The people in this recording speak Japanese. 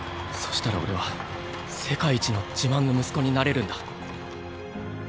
そしたら俺は世界一の自慢の息子になれるんだ。